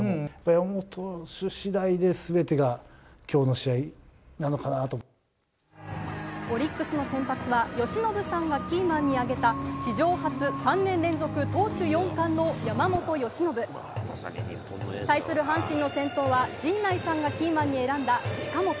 山本投手しだいですべてが、オリックスの先発は、由伸さんがキーマンに挙げた史上初３年連続投手四冠の山本由伸。対する阪神の先頭は、陣内さんがキーマンに選んだ近本。